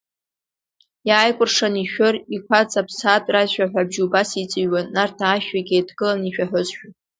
Иааикәыршан ишәыр, иқәаҵа, аԥсаатә рашәаҳәабжь убас иҵыҩуан, Нарҭаа ашәҩык еидгылан ишәаҳәозшәа…